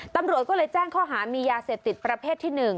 ตำรวจก็เลยแจ้งข้อหามียาเสพติดประเภทที่๑